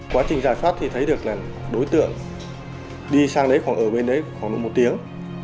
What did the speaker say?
quá trình giải pháp thì thấy được là đối tượng đi sang đấy khoảng ở bên đấy khoảng một tiếng